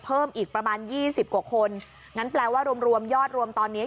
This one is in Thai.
เพิ่มอีกประมาณยี่สิบกว่าคนงั้นแปลว่ารวมรวมยอดรวมตอนนี้